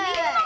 eh itu mak